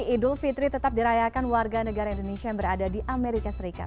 idul fitri tetap dirayakan warga negara indonesia yang berada di amerika serikat